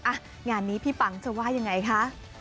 อ่ะงานนี้พี่ปังจะว่ายังไงคะ